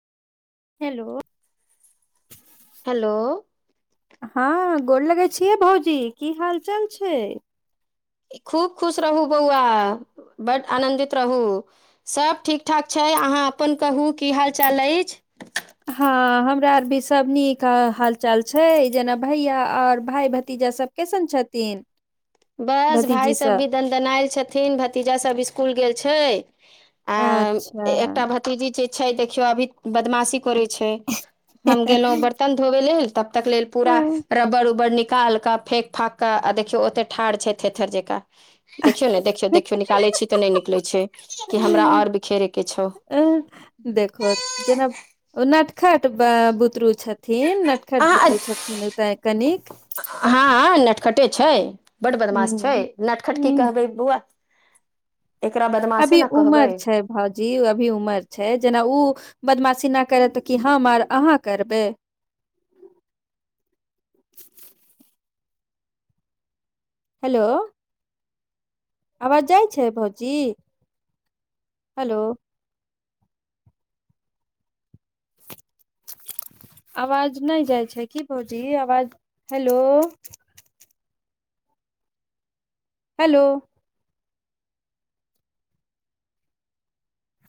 hello hello हा गोर लगै छि यै भौजी की हाल चल छै खूब खुश रहू बौआ बड आनन्दित रहू सब ठीक ठाक छै अहाँ अपन कहू की हाल चाल लैयीछ ह हमरा आर भी सब नीक ह ह हाल चाल छै जेना भैया आर भाय भतीजा सब कैसन छहतिन बस भाय सब भी दनदनायल छथिन भतीजा सब स्कूल गेल छै आयम अच्छा एकटा भतीजी जे छै देखियौ अभी बदमाशी करै छै हम गेलौ बर्तन धोबे लेल तब तक लेल पूरा रबर उबर निकाल के फेेक फाका आ देखियो ओते ठार छै थेथर जेकाँ देखियौ ने देखियौ देखियौ निकालै छी तऽ नइ निकलै छै कि हमरा और बिखेरेके छौ एँ देखो जेना नटखट ब बुदरु छथिन नट खठ बुदरु छथिन ओतय कनिक ह नटखटे छै बड बदमाश छै हूँ नटखट की ह कहबै बौआ एकरा अभी बदमाशे ने कहबै उमर छै भोजी अभी उमर छै जेना उ बदमाशी ना करत कऽ हम आर अहाँ करबै हेलो अबाज जाय छै भौजी हेलो आबाज नइ जाइ छै की भौजी आबाज हेलो हेलो